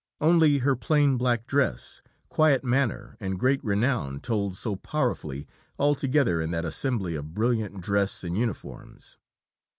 Only her plain black dress, quiet manner and great renown told so powerfully altogether in that assembly of brilliant dress and uniforms.